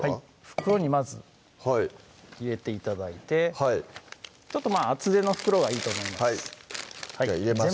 袋にまず入れて頂いてはいちょっとまぁ厚手の袋がいいと思いますじゃあ入れます